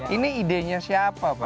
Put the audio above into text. ini idenya siapa pak